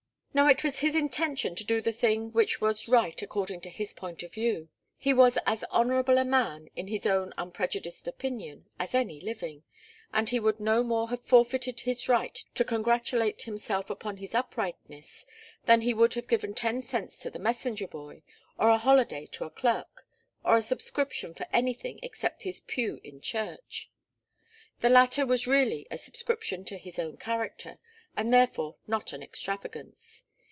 Now it was his intention to do the thing which was right according to his point of view. He was as honourable a man, in his own unprejudiced opinion, as any living, and he would no more have forfeited his right to congratulate himself upon his uprightness than he would have given ten cents to the messenger boy, or a holiday to a clerk, or a subscription for anything except his pew in church. The latter was really a subscription to his own character, and therefore not an extravagance.